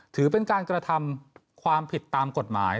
ถือเป็นการกระทำความผิดตามกฎหมาย